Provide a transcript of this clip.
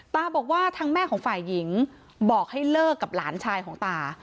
ตาบอกว่าทางแม่ของฝ่ายหญิงบอกให้เลิกกับหลานชายของตา